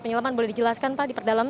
penyelaman boleh dijelaskan pak di perdalam